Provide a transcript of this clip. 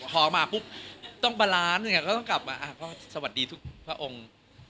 ขอมาปุ๊บต้องปัลล้านอ้าเขาต้องกลับมาพ่อสวัสดีทว่าทุกพระองค์